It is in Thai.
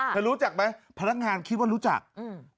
รู้จักไหมพนักงานคิดว่ารู้จักอืม